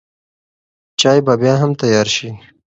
چای به بیا هم تیار شي.